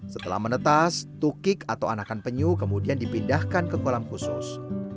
setelah menetas tukik atau anakan penyu kemudian dipindahkan ke kolam khusus